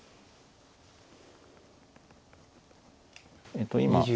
えっと今。